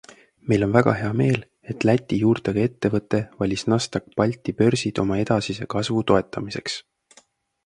Meil on väga hea meel, et Läti juurtega ettevõte valis Nasdaq Balti börsid oma edasise kasvu toetamiseks.